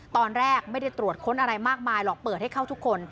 ตอนแรกไม่ได้ตรวจค้นอะไรมากมายหรอกเปิดให้เข้าทุกคน